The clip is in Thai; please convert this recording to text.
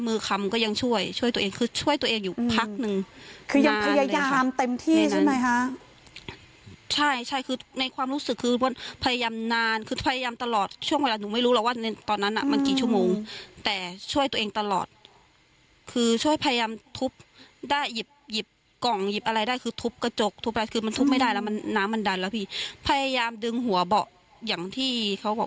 คำก็ยังช่วยช่วยตัวเองคือช่วยตัวเองอยู่พักนึงคือยังพยายามเต็มที่ใช่ไหมคะใช่ใช่คือในความรู้สึกคือพยายามนานคือพยายามตลอดช่วงเวลาหนูไม่รู้หรอกว่าในตอนนั้นอ่ะมันกี่ชั่วโมงแต่ช่วยตัวเองตลอดคือช่วยพยายามทุบได้หยิบหยิบกล่องหยิบอะไรได้คือทุบกระจกทุบอะไรคือมันทุบไม่ได้แล้วมันน้ำมันดันแล้วพี่พยายามดึงหัวเบาะอย่างที่เขาบอก